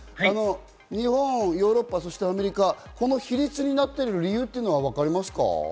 日本、ヨーロッパ、アメリカ、この比率になっている理由はわかりますか？